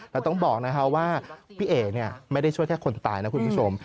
แล้วต้องบอกว่าพี่เอกไม่ได้ช่วยแค่คนตายนะคุณผู้ชม